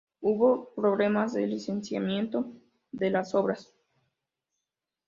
Hubo problemas de licenciamiento de las obras.